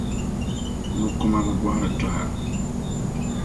Nukuma bi bɔhiri tɔha.